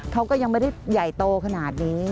เขาก็ยังไม่ได้ใหญ่โตขนาดนี้